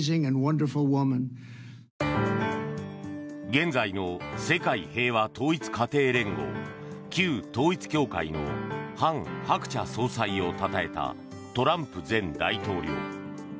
現在の世界平和統一家庭連合旧統一教会の韓鶴子総裁をたたえたトランプ前大統領。